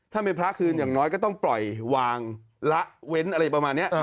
ถ้าเป็นพระคืนอย่างน้อยก็ต้องปล่อยวางละเว้นอะไรประมาณนี้